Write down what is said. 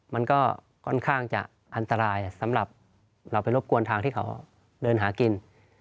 มันก็ค่อนข้างจะอันตรายสำหรับเราไปรบกวนทางที่เขาเดินหากิน